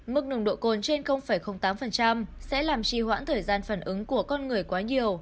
mức nồng độ cồn trên tám sẽ làm trì hoãn thời gian phản ứng của con người quá nhiều